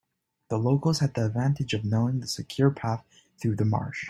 The locals had the advantage of knowing the secure path through the marsh.